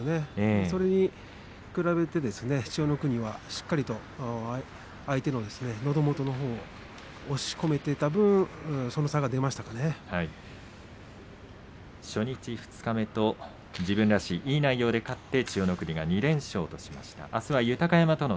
それに比べて千代の国がしっかりと相手ののど元のほうを押し込めていた分初日、二日目と自分らしい、いい内容で勝って千代の国が２連勝としました。